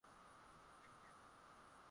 kimemwonyesha mtu moja mkubwa sana